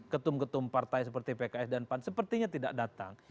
ketum ketum partai seperti pks dan pan sepertinya tidak datang